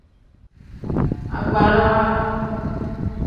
Agbarawa.